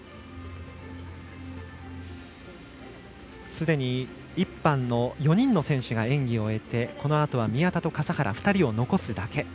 すでに１班の４人の選手が演技を終えてこのあとは宮田と笠原２人を残すだけ。